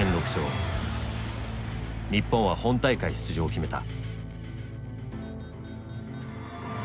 日本は本大会出場を決めた。